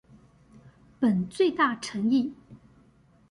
本最⼤誠意